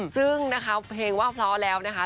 ซึ่งนะคะเพลงว่าเพราะแล้วนะคะ